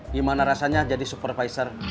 gimana rasanya jadi supervisor